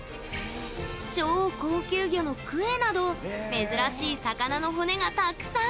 超高級魚のクエなど珍しい魚の骨がたくさん。